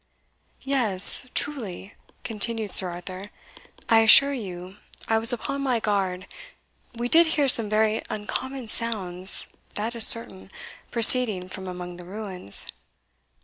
"Yes truly," continued Sir Arthur "I assure you I was upon my guard we did hear some very uncommon sounds, that is certain, proceeding from among the ruins."